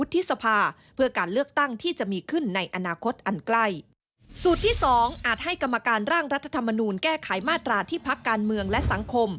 ติดตามเรื่องนี้จากรายงานครับ